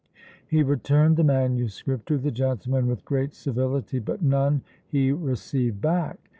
He returned the MS. to the gentleman with great civility, but none he received back!